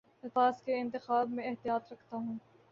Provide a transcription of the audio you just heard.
الفاظ کے انتخاب میں احتیاط رکھتا ہوں